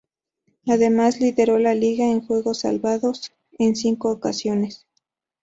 Además, lideró la liga en juegos salvados en cinco ocasiones.